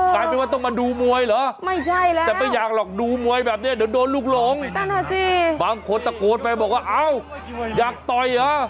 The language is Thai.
กลายเป็นว่าต้องมาดูมวยเหรอไม่ใช่แล้วแต่ไม่อยากหรอกดูมวยแบบนี้เดี๋ยวโดนลูกหลงบางคนตะโกนไปบอกว่าเอ้าอยากต่อยเหรอ